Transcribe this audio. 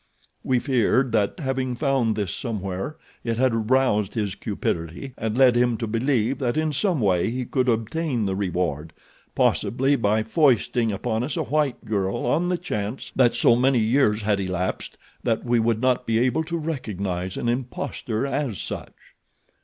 We feared that having found this somewhere it had aroused his cupidity and led him to believe that in some way he could obtain the reward, possibly by foisting upon us a white girl on the chance that so many years had elapsed that we would not be able to recognize an imposter as such."